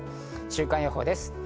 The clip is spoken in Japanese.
週間予報です。